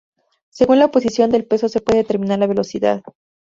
Según la posición del peso se puede determinar la velocidad.